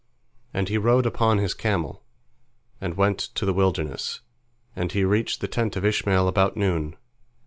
And he rode upon his camel, and went to the wilderness, and he reached the tent of Ishmael about noon.